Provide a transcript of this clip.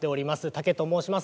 茸と申します。